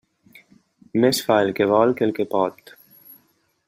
Més fa el que vol que el que pot.